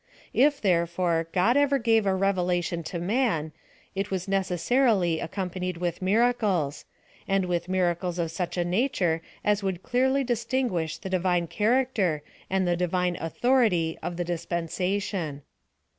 If, therefore, God ever gave a revelation to man, it was necessarily accom jianied with miracles, and with miracles of such a nature as would clearly distinguish the Divine char acter and the Divine authority of the dispensation.